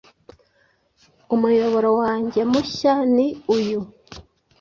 umuyoboro wanjye mushya ni uyu,